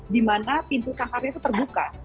di mana pintu sangkarnya itu terbuka